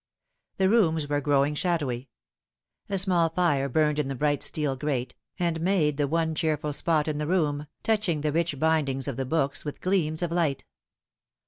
The rooms were growing shadowy. A small fire burned in the bright steel grate, and made the one cheerful spot in the room, touching the rich bindings of the books with gleams of light.